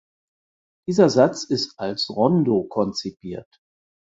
Dieser Satz ist als Rondo konzipiert.